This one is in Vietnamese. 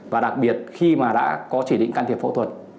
và đặc biệt khi mà đã có chỉ định can thiệp phẫu thuật